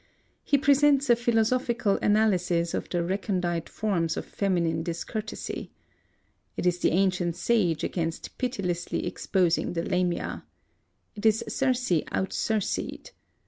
He presents a philosophical analysis of the recondite forms of feminine discourtesy. It is the ancient sage again pitilessly exposing the Lamia. It is Circe out Circed.